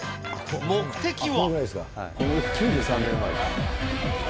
目的は。